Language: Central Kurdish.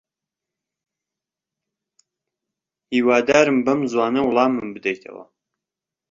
هیوادارم بەم زووانە وەڵامم بدەیتەوە.